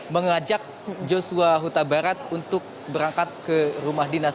mengajak joshua huta barat untuk berangkat ke rumah dinas